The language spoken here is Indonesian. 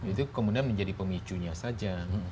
itu kemudian menjadi pemicunya saja